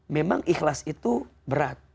memang ikhlas itu berat